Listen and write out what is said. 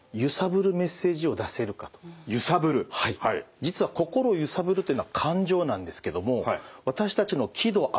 実は心をゆさぶるというのは感情なんですけども私たちの喜怒哀